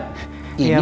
ini partner saya sih